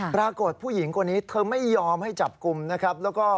ปรากฏผู้หญิงคนนี้เธอไม่ยอมให้จับกลุ่มนะครับแล้วก็